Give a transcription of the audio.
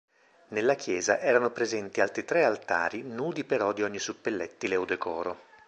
Nella chiesa erano presenti altri tre altari nudi però di ogni suppellettile o decoro.